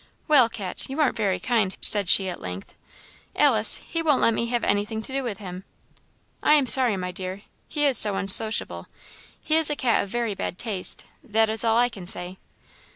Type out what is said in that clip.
"Well, cat! you aren't very kind," said she as length; "Alice, he won't let me have anything to do with him!" "I am sorry, my dear, he is so unsociable; he is a cat of very bad taste that is all I can say."